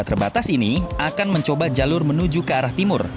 terbatas ini akan mencoba jalur menuju ke arah timur